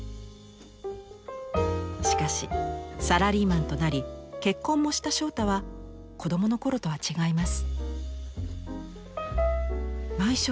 しかしサラリーマンとなり結婚もした正太は子どもの頃とは違います。